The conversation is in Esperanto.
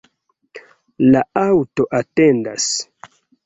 La aŭto atendas.